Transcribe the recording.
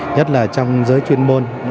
nhất là trong giới chuyên môn